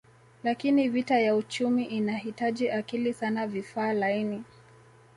Lakini vita ya uchumi inahitaji akili sana vifaa laini